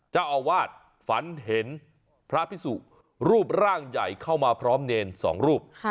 เจ้าอาวาสฝันเห็นพระพิสุรูปร่างใหญ่เข้ามาพร้อมเนรสองรูป